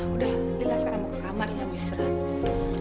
udah lila sekarang mau ke kamarnya mau istirahat